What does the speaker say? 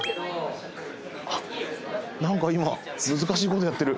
あっなんか今難しいことやってる。